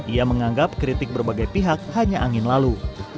ia menganggap kritik berbagai pihak hanya angin lalu